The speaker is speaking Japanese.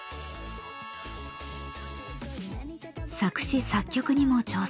作詞作曲にも挑戦。